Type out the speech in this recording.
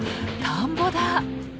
田んぼだ！